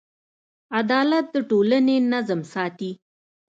عدالت د ټولنې نظم ساتي.